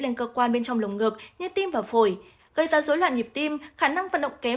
lên cơ quan bên trong lồng ngực như tim và phổi gây ra dối loạn nhịp tim khả năng vận động kém